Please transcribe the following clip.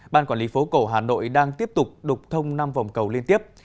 ban quản lý phố cổ hà nội đang tiếp tục đục thông năm vòng cầu liên tiếp